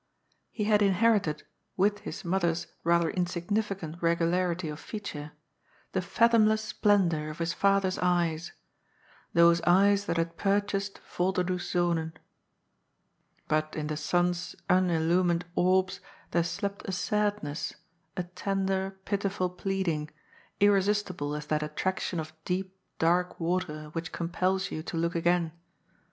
He had inherited, with his mother's rather insignificant regularity of feature, the fathomless splendour of his father's eyes — ^those eyes that had purchased Volderdoes Zonen. But in the son's unillumined orbs there slept a sadness, a tender, pitiful pleading, irresistible as that attraction of deep, dark water which compels you to look again.